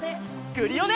クリオネ！